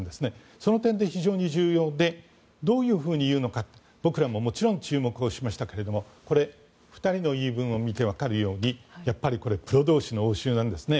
その点で非常に重要でどういうふうに言うのかと僕らももちろん注目をしましたがこれ、２人の言い分を見てわかるようにやっぱりこれプロ同士の応酬なんですね。